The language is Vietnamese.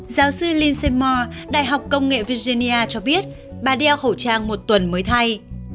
giáo sư lindsay moore đại học công nghệ virginia cho biết bà đeo khẩu trang một tuần mới thay